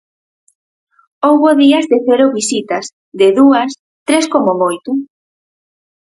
Houbo días de cero visitas, de dúas, tres como moito.